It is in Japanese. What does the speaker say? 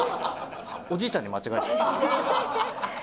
おじいちゃんに間違われてたえ